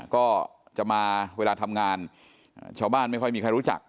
ก็จะมาเวลาทำงานชาวบ้านไม่ค่อยมีใครรู้จัก